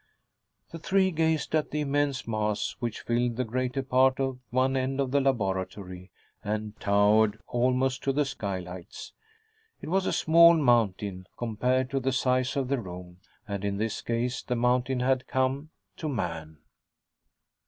The three gazed at the immense mass, which filled the greater part of one end of the laboratory and towered almost to the skylights. It was a small mountain, compared to the size of the room, and in this case the mountain had come to man.